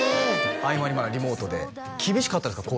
合間にまあリモートで厳しかったですか？